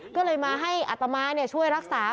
ก็เลยมาให้อัตมาช่วยรักษา